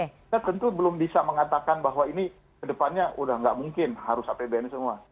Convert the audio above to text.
kita tentu belum bisa mengatakan bahwa ini kedepannya udah nggak mungkin harus apbn semua